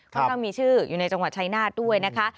ค่อนข้างมีชื่ออยู่ในจังหวัดชายนาฏด้วยนะคะ